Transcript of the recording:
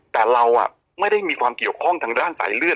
แต่เราไม่ได้มีความเกี่ยวข้องทางด้านสายเลือด